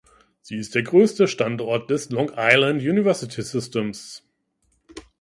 Sie ist der größte Standort des Long Island University Systems.